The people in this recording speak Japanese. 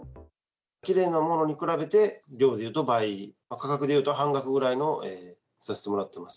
きれいなものに比べて、量でいうと倍、価格でいうと半額ぐらいにさせてもらっています。